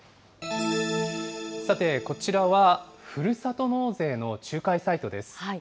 さて、こちらはふるさと納税の仲介サイトです。